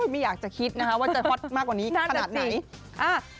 ไม่อยากจะคิดนะคะว่าจะฮอตมากกว่านี้ขนาดไหน